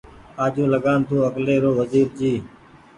آجوٚنٚ لگآن تونٚ اڪلي رو وزير جي